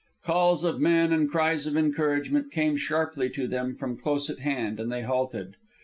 Calls of men and cries of encouragement came sharply to them from close at hand, and they halted.